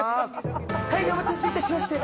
はいお待たせいたしました